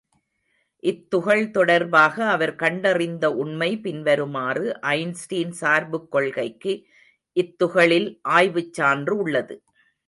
இத்துகள் தொடர்பாக அவர் கண்டறிந்த உண்மை பின்வருமாறு ஐன்ஸ்டீன் சார்புக் கொள்கைக்கு இத்துகளில் ஆய்வுச் சான்று உள்ளது.